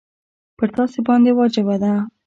پر تاسي باندي واجبه ده.